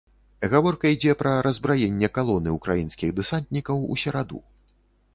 Гаворка ідзе пра раззбраенне калоны ўкраінскіх дэсантнікаў у сераду.